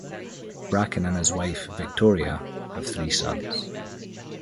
Bracken and his wife, Victoria, have three sons.